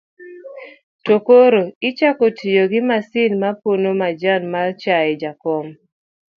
to koro gichako tiyo gi masin mar pono majan mar chaye. jakom